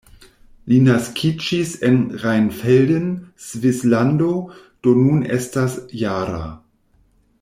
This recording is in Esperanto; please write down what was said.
Li naskiĝis en Rheinfelden, Svislando, do nun estas -jara.